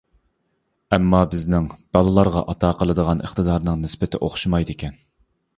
ئەمما بىزنىڭ بالىلارغا ئاتا قىلىدىغان ئىقتىدارنىڭ نىسبىتى ئوخشىمايدىكەن.